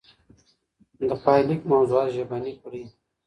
د پايليک موضوعات ژبني کړئ.